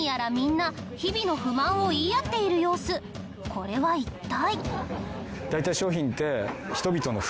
これは一体。